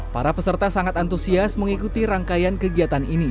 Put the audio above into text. para peserta sangat antusias mengikuti rangkaian kegiatan ini